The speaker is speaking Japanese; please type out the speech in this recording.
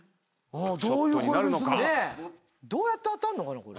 どうやって当たんのかなこれ。